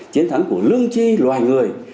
chiến thắng của lương tri loài người